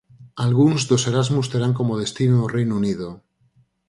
Algúns dos Erasmus terán como destino o Reino Unido.